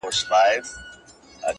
پروت لا پر ساحل ومه توپان راسره وژړل-